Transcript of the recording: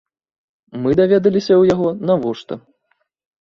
Мы даведаліся ў яго, навошта.